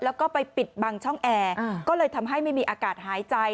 แล้วก็ไปปิดบังช่องแอร์ก็เลยทำให้ไม่มีอากาศหายใจ